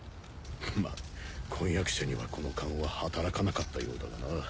まぁ婚約者にはこの勘は働かなかったようだがな。